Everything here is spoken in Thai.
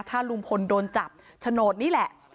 ถ้าลุงพลโดนจับโฉนดนี่แหละ